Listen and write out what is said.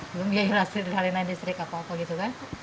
belum biayalah seri seri seri kakak kakak gitu kan